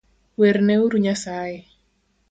Werne uru nyasae